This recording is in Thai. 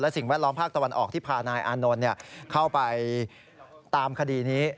สิ่งแวดล้อมภาคตะวันออกที่พานายอานนท์เข้าไปตามคดีนี้